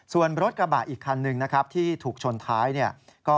ส่วนรถกระบะอีกคันหนึ่งนะครับที่ถูกชนท้ายเนี่ย